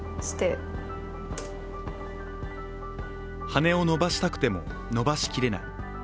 羽を伸ばしたくても伸ばしきれない。